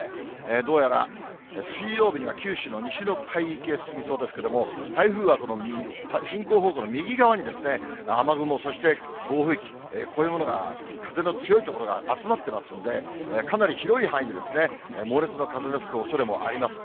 どうやら水曜日には九州の西の海域へ進みそうですけれども、台風はこの進行方向の右側に雨雲、そして暴風域、こういうものが、風の強い所が集まってますんで、かなり広い範囲で猛烈な風の吹くおそれもあります。